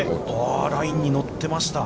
ラインに乗ってました。